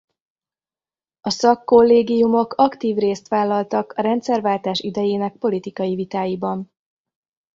A szakkollégiumok aktív részt vállaltak a rendszerváltás idejének politikai vitáiban.